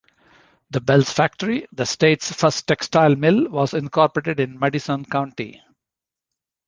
The Bell Factory, the state's first textile mill, was incorporated in Madison County.